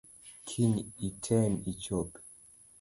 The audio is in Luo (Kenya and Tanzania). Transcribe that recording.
Kiny item ichop.